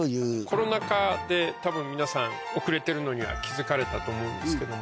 たぶん皆さん遅れてるのには気付かれたと思うんですけども。